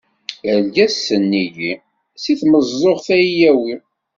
Argaz sennig-i, si tmeẓẓuɣt ad yi-yawi.